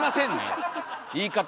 言い方！